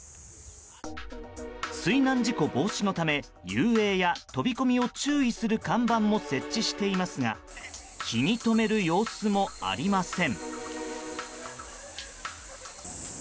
水難事故防止のため遊泳や飛び込みを注意する看板も設置していますが気に留める様子もありません。